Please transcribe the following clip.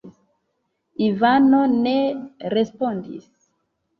Ivano ne respondis.